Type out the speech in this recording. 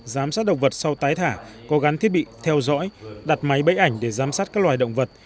giám sát động vật sau tái thả có gắn thiết bị theo dõi đặt máy bẫy ảnh để giám sát các loài động vật